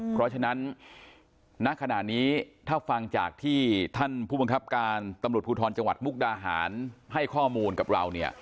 เพราะฉะนั้นณขณะนี้ถ้าฟังจากที่ท่านผู้บังคับการตำรวจภูทรจังหวัดมุกดาหารให้ข้อมูลกับเราเนี่ย